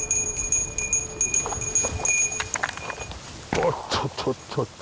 おっとっとっと。